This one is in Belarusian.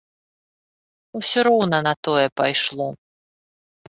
Усё роўна на тое пайшло.